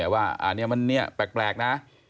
ว่าอันนี้มันแปลกนะ